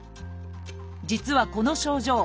実はこの症状